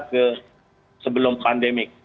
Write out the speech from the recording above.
ke sebelum pandemik